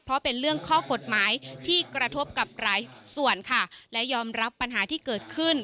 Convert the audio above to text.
เพราะเป็นเรื่องข้อกฎหมายที่กระทบกับหลายส่วนค่ะและยอมรับปัญหาที่เกิดขึ้น